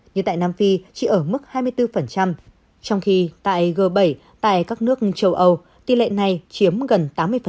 như tại nam phi chỉ ở mức hai mươi bốn trong khi tại g bảy tại các nước châu âu tỷ lệ này chiếm gần tám mươi